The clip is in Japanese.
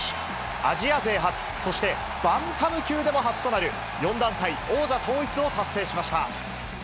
アジア勢初、そしてバンタム級でも初となる４団体王座統一を達成しました。